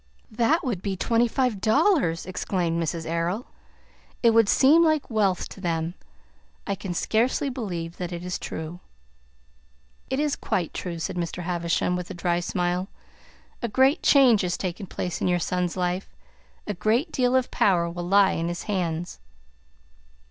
"That would be twenty five dollars!" exclaimed Mrs. Errol. "It will seem like wealth to them. I can scarcely believe that it is true." "It is quite true," said Mr. Havisham, with his dry smile. "A great change has taken place in your son's life, a great deal of power will lie in his hands."